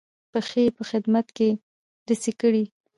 پښې یې په خدمت کې لڅې کړې.